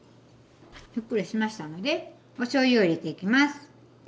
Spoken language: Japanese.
ふっくらしましたのでおしょうゆを入れていきます。